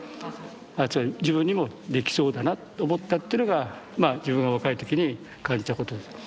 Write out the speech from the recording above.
つまり自分にもできそうだなと思ったってのがまあ自分も若い時に感じたことです。